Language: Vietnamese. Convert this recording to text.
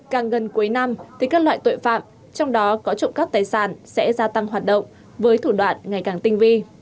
càng gần cuối năm thì các loại tội phạm trong đó có trộm cắp tài sản sẽ gia tăng hoạt động với thủ đoạn ngày càng tinh vi